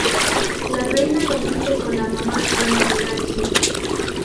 La Reina compite con la Mamá en elegancia.